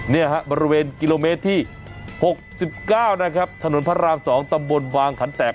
เนี่ยฮะบริเวณกิโลเมตรที่๖๙นะครับถนนพระราม๒ตำบลวางขันแตก